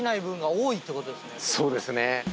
そうですね。